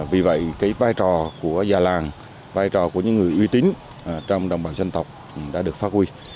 vì vậy cái vai trò của gia làng vai trò của những người uy tín trong đồng bào dân tộc đã được phát huy